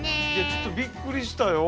ちょっとびっくりしたよ。